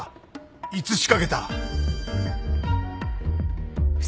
いつ仕掛けた！？